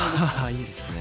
いいですね。